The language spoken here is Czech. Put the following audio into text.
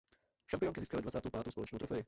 Šampionky získaly dvacátou pátou společnou trofej.